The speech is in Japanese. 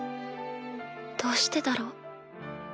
どうしてだろう？